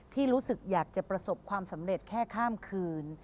ที่รู้สึกอยากจะประสบความสำเร็จแค่ข้ามคืน